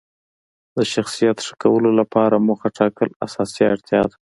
د شخصیت ښه کولو لپاره موخه ټاکل اساسي اړتیا ده.